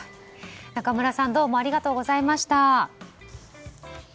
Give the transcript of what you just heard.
仲村さんどうもありがとうございました。